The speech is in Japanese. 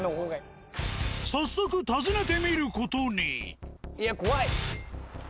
早速訪ねてみる事に。